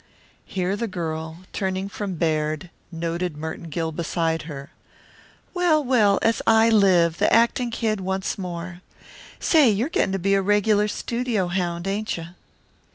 Here the girl, turning from Baird, noted Merton Gill beside her. "Well, well, as I live, the actin' kid once more! Say, you're getting to be a regular studio hound, ain't you?"